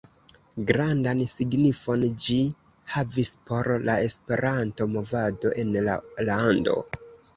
Grandan signifon ĝi havis por la Esperanto-movado en la lando.